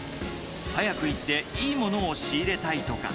早く行って、いいものを仕入れたいとか。